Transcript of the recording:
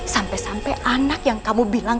sampai sampai anak yang kamu bilang